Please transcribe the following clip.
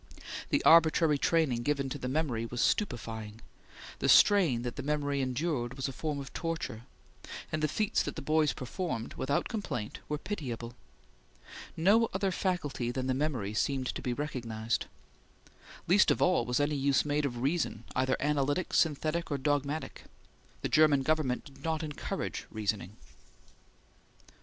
The arbitrary training given to the memory was stupefying; the strain that the memory endured was a form of torture; and the feats that the boys performed, without complaint, were pitiable. No other faculty than the memory seemed to be recognized. Least of all was any use made of reason, either analytic, synthetic, or dogmatic. The German government did not encourage reasoning.